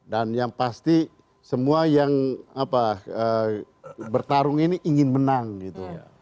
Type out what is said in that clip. dan yang pasti semua yang bertarung ini ingin menang gitu